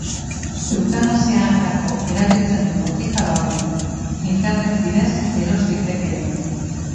Eutanasiarako erabiltzen den botika da hori, internet bidez eros litekena.